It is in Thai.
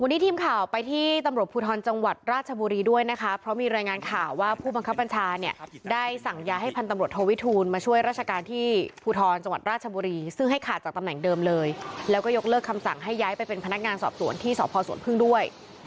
วันนี้ทีมข่าวไปที่ตำรวจภูทรจังหวัดราชบุรีด้วยนะคะเพราะมีรายงานข่าวว่าผู้บังคับบัญชาเนี่ยได้สั่งย้ายให้พันตำรวจโทวิทูลมาช่วยราชการที่ภูทรจังหวัดราชบุรีซึ่งให้ขาดจากตำแหน่งเดิมเลยแล้วก็ยกเลิกคำสั่งให้ย้ายไปเป็นพนักงานสอบสวนที่สพสวนพึ่งด้วย